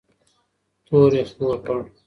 تور یې خپور کړ